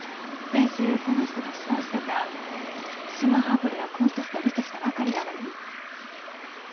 先週この人が主催してたスマホアプリのコンテストを見てきたばかりなのよ。